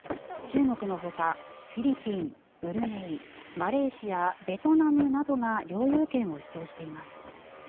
中国のほかフィリピンブルネイ、マレーシアベトナムなどが領有権を主張しています。